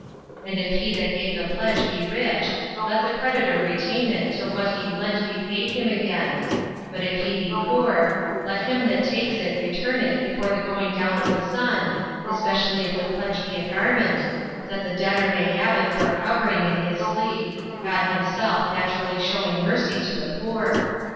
And if he that gave the pledge be rich, let the creditor retain it till what he lent be paid him again; but if he be poor, let him that takes it return it before the going down of the sun, especially if the pledge be a garment, that the debtor may have it for a covering in his sleep, God himself naturally showing mercy to the poor.